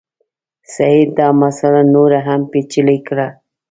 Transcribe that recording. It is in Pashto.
سید دا مسله نوره هم پېچلې کړه.